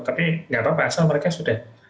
tapi nggak apa apa asal mereka sudah